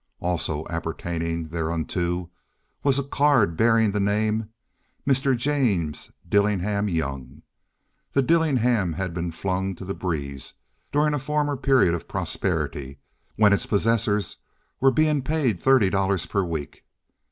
Also appertaining thereunto was a card bearing the name "Mr. James Dillingham Young." The "Dillingham" had been flung to the breeze during a former period of prosperity when its possessor was being paid $30 per week.